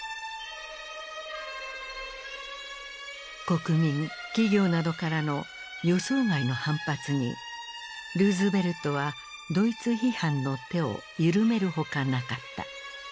国民企業などからの予想外の反発にルーズベルトはドイツ批判の手を緩めるほかなかった。